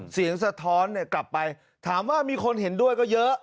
สะท้อนกลับไปถามว่ามีคนเห็นด้วยก็เยอะ